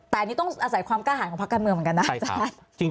แต่อันนี้ต้องอาศัยความกล้าหารของพักการเมืองเหมือนกันนะอาจารย์